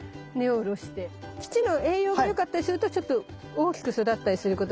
土の栄養が良かったりするとちょっと大きく育ったりすることも。